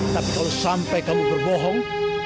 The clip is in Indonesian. tapi kalau sampai kamu berbohong